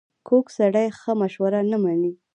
کوږ سړی ښه مشوره نه مني